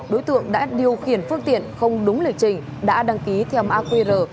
đối tượng đã điều khiển phương tiện không đúng lịch trình đã đăng ký theo makr